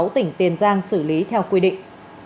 tỉnh tiền giang xử lý theo quy định